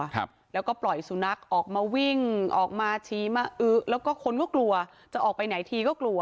ครับแล้วก็ปล่อยสุนัขออกมาวิ่งออกมาชี้มาอื้อแล้วก็คนก็กลัวจะออกไปไหนทีก็กลัว